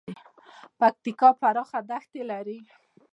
پکتیکا پراخه دښتې لري